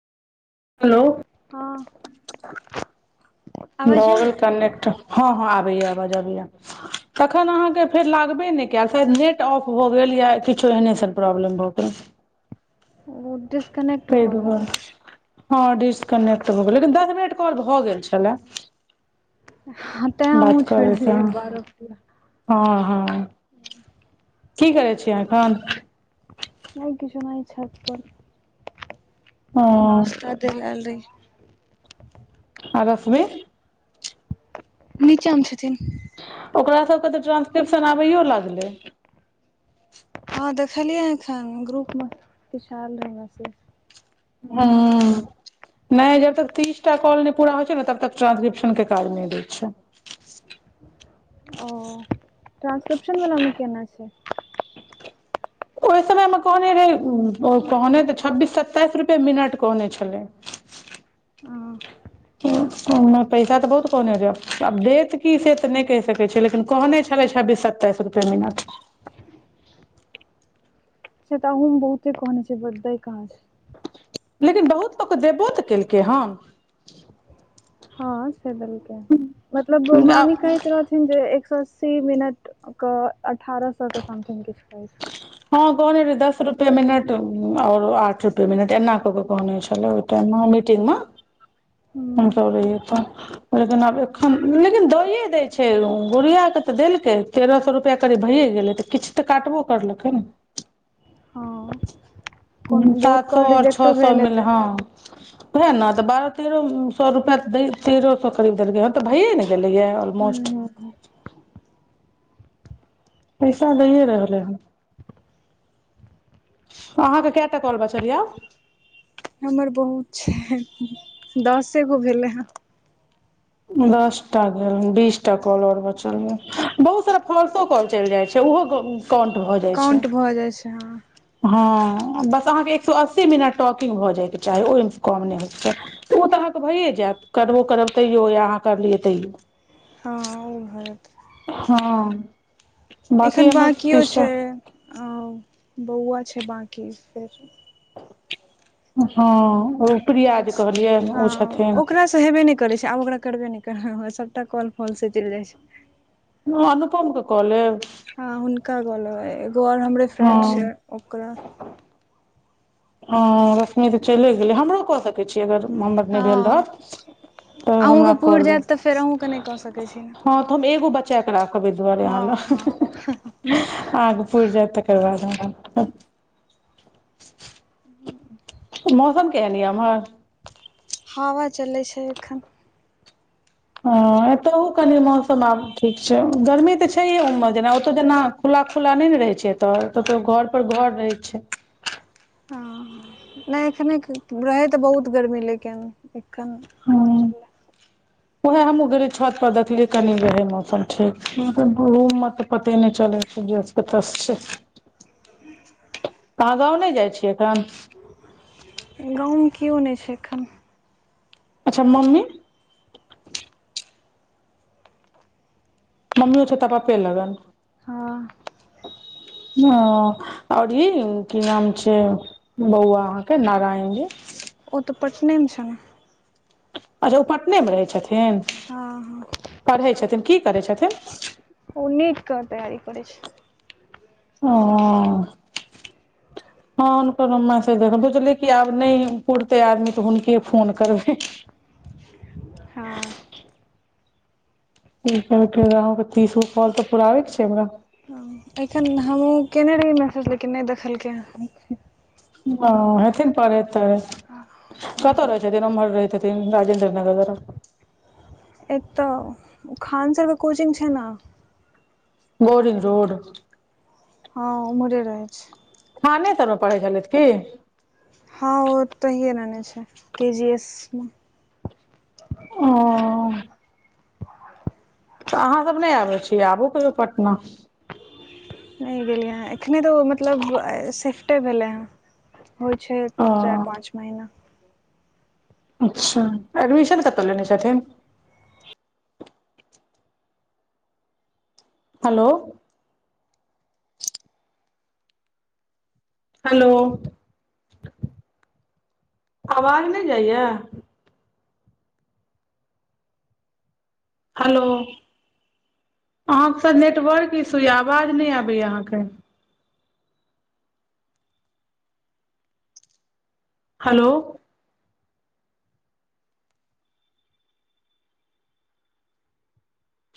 Hello हँ भ आवाज जाइये गेल कनेकट हँ हँ आबे या आवाज आबे या तखन अहाँ के फेर लागबे ने किया फेर नेट ऑफ भऽ गेल या किछो एहने स प्रॉब्लम भऽ गेल [unintelligible] हँ भऽ गेलै डिस्कनेक्ट भ गेल लेकिन दस मिनट कॉल भऽ गेल छलै हँ तें हमहुँ छोड़ करैसँ देलिये बारह हँ हँ की करै छियै आहा एखन अओर किछु नहि छल ओ नाश्ता दय लेल आएल रहिये आ [unintelligible] रश्मी नीचा मे छथिन ओकरा सभ के तऽ ट्रानंसक्रिप्शन आबैयो लागलै हँ देखलियै हा एखन ग्रुप मे किछु आयल रहै हुँ नहि जब तक तीस टा कॉल नहि पूरा होइ छै ने तब तक ट्रांसक्रिप्श के काज नहि दै छै ओ ट्रांसक्रिपशन वाला मे केना छै ओहि समय मे कहने रहे ओ कहने तऽ छब्बीस सत्ताइस रुपये मिनट कहने छलै हँ ओ ओना पैसा तऽ बहुत कोहने या आब देत की से तऽ नहि कहि सकैत छी लेकिन कहने छलै छब्बीस सत्ताइस रूपये मिनट से तऽ अहु मे बहुते कहने छै पर दई कहाँ छै लेकिन बहुत लोक के देबो तऽ केलकै हन हँ से दलके हन मतलब [unintelligible] मामी कहैत र जे एक सौ अस्सी मिनट के अठारह सौ कऽ समथिंग किछु कह छै हँ कहने रहे दस रुपेये मिनट आओर आठ रुपए मिनट एना कऽ क कहने छल मीटंग मे हम हूँ सब रहिये त लेकिन आब एखन लेकिन दए दै छै गुड़िया के तऽ देलकै तेरह सौ रुपैया करीब भैए गेलै किछु तऽ काटबो करलकै हँ कोन बहुत सात सए कॉल आओर छह रिजेक्टो सए भेल मिले हेतै हँ वएह ने तऽ बारह तेरह सए रुपआ तेरह सए करीब देलकै ह तऽ भैयए ने गेले या मोट हूँ पैसा दैए रहलै ह अहाँके कएटा कॉल बचल या हमर बहुत छै दसे गो भेले दसटा भेल ह बीसटा कॉल आओर बचल या बहुत सारा फॉल्सो कॉल चलि जाइ छै ओहो काउणट भऽ जाए छै काउंट भऽ जाइ छै हँ हँ बस अहाँकेँ एक सए अस्सी मिनट टॉकिंग भऽ जायके चाही ओहिमेसँ कम नहि होइके चाही तऽ ओ तऽ अहाँकेँ भइए जायत करबो करब तैओ या अहाँ करलियै तैओ। हँ ओ भरत। हँ। बाकी एखन हमर बकि तीस छै टा बौआ छै बकी फेर हँ ओ प्रिया देखै जे छी कहलियनि हँ ओ छथिन। ओकरासँ हेबे नहि करै छै आब ओकरा करबे नहि कर सभटा कल फल से चलि जाइ छै। अनुपम कऽ लेब हँ हुनका गले एगो आर हमरे हँ फ्रेड छै ओकरा ह रश्मी तऽ चलि गेलै हमरो कऽ सकै छियै अगर हमर नहि भेल हँ रहत तऽ अहूँके हमरा कह पुरि ले जायत तऽ फेर अहूँके नहि कऽ सकैत छी ने हँ तऽ हम एगो ब चक राख बि दुआरे हँ हल हँ पूर्ज तऽ करबा दे ह। मौसम केहेन या उम्हर हवा चलैत छै एखन। हँ एतहु कनि मौसम आब ठीक छै गर्मी तऽ छैहे ओम मे जेना ओतय जेना खुला खुला नहि ने रहै छै तऽ कत घर पर घर रहै छै [inaudible] हँ नहि एखने रहै तऽ बहुत गर्मी लेकिन एखन हवा चलै [inaudible] उहे हमे छत पर देखलियै कनि रहे मौसम ठीक मे तऽ पते नहि चले छै कतऽ छै अहाँ गाव नहि जाइ छियै एखन गाव मे केओ नहि छै एखन अच्छा मम्मी। मम्मी ओ छै पापे लगन ह ह आओर कि नाम छै बौआ अहाँकेँ नारायण जी ओ तऽ पटने मे छौ ने अच्छा ओ पटने मे रहै छथिन हँ हँ पढ़ै छथिन कि करै छथिन ओ नीटके तैयारी करै छै। ह [unintelligible] हँ हुनकर मैसज देख सोचलै कऽ आब नहि पुरते आदमी तऽ हुनके फोन करबै ह। तीस गो फल तऽ पुराबे के छै, हमरा एखन हमहुँ केने रहि मैसेजिन नहि देखलकै ओ हेथिन परे ते कत्त रहै छै दिन मर रहततिन राजेन्द्र नगर एक तऽ खान सर के कोचिग छै ने बोरिग रोड। ह उमरे रहै छै। थान सर मे पढ़ै छलथि कि हँ ओ तऽ हए रहने छै के जी एस मे ओ तऽ अहाँ सभ नहि आबै छी आबू कहियो पटना नहि गेलियै हँ एखने तऽ मतलब सेफ्टे भेलै हँ होइ छै चार पाँच ओ महिना। अच्छा एडमिशन कतऽ लेने छथिन। हेलो। हेलो, आवाज नहि जाइय। हेलो अहाँकेँ नेटवर्क इश्यू यऽ आवाज नहि आबैया अहाँकेँ हेलो।